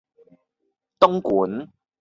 東莞